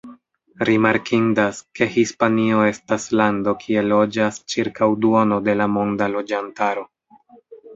Rimarkindas, ke Hispanio estas lando kie loĝas ĉirkaŭ duono de la monda loĝantaro.